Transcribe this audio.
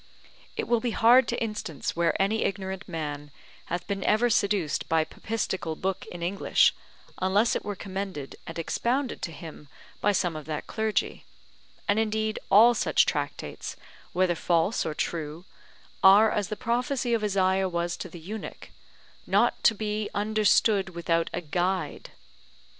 It will be hard to instance where any ignorant man hath been ever seduced by papistical book in English, unless it were commended and expounded to him by some of that clergy: and indeed all such tractates, whether false or true, are as the prophecy of Isaiah was to the eunuch, not to be UNDERSTOOD WITHOUT A GUIDE.